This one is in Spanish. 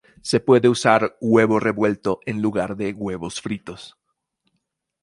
Se puede usar huevo revuelto en lugar de huevos fritos.